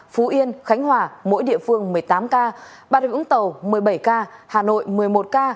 phú yên khánh hòa mỗi địa phương một mươi tám ca bà rịa vũng tàu một mươi bảy ca hà nội một mươi một ca